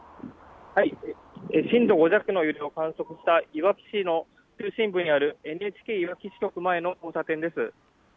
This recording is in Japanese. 震度５弱の揺れを観測したいわき市の中心部にあるＮＨＫいわき支局前の交差点です。